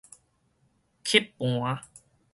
吸盤